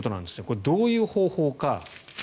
これ、どういう方法か。